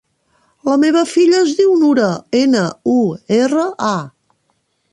La meva filla es diu Nura: ena, u, erra, a.